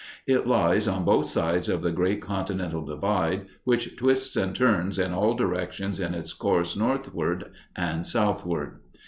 It lies on both sides of the great Continental Divide, which twists and turns in all directions in its course northward and southward.